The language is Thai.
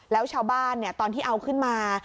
แล้วชาวบ้านตอนที่เอาขึ้นมา